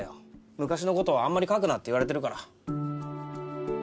昔の事はあんまり書くなって言われてるから。